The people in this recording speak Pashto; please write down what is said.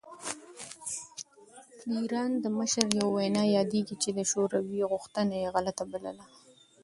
د ایران د مشر یوه وینا یادېږي چې د شوروي غوښتنه یې غلطه بللې.